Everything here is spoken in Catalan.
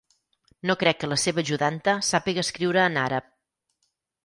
No crec que la seva ajudanta sàpiga escriure en àrab.